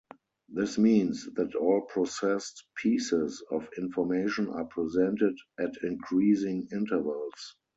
This means that all processed pieces of information are presented at increasing intervals.